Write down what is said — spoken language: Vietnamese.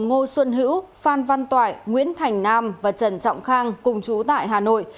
đối tượng gồm ngô xuân hữu phan văn toại nguyễn thành nam và trần trọng khang cùng chú tại hà nội